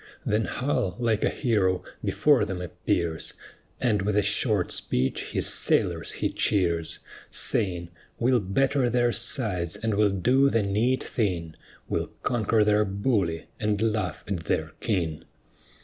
Then Hull, like a hero, before them appears, And with a short speech his sailors he cheers, Saying, "We'll batter their sides, and we'll do the neat thing: We'll conquer their bully, and laugh at their king."